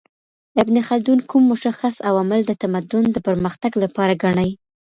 ابن خلدون کوم مشخص عوامل د تمدن د پرمختګ لپاره ګڼي؟